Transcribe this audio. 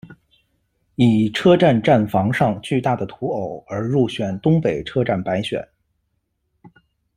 以“车站站房上巨大的土偶”而入选东北车站百选。